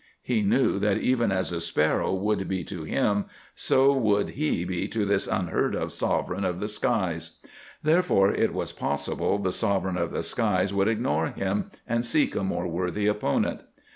He knew that even as a sparrow would be to him, so would he be to this unheard of sovereign of the skies. Therefore it was possible the sovereign of the skies would ignore him and seek a more worthy opponent.